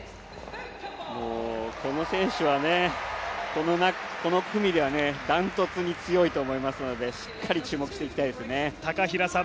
この選手はこの組では断トツに強いと思いますのでしっかり注目していきたいですね。